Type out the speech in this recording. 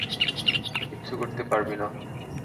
কিচ্ছু করতে পারবি না।